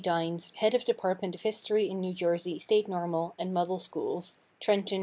DYNES, HEAD OF DEPARTMENT OF HISTORY IN NEW JERSEY STATE NORMAL AND MODEL SCHOOLS, TRENTON, N.